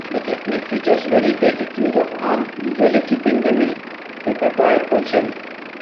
The technique features very basic use of arms, usually keeping them in preparatoire position.